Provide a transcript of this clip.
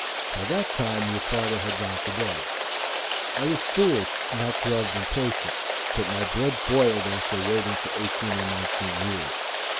By that time your father had gone to bed. I was foolish not to have been patient, but my blood boiled after waiting for eighteen or nineteen years.